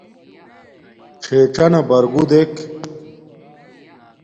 ڞݵڅَنݳ بَرگُو دݵک.